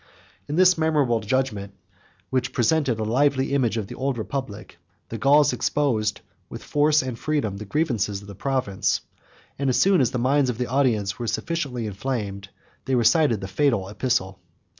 In this memorable judgment, which presented a lively image of the old republic, the Gauls exposed, with force and freedom, the grievances of the province; and as soon as the minds of the audience were sufficiently inflamed, they recited the fatal epistle.